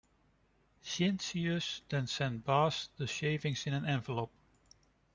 Schintzius then sent Bass the shavings in an envelope.